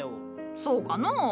そうかのう？